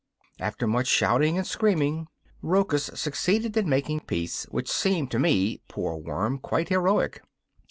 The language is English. After much shouting and screaming, Rochus succeeded in making peace, which seemed to me, poor worm, quite heroic.